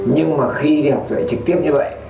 nhưng mà khi đi học dạy trực tiếp như vậy